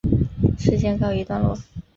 事件告一段落。